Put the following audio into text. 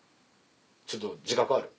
ちょっと自覚ある？